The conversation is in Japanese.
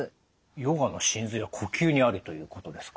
ヨガの神髄は呼吸にありということですか。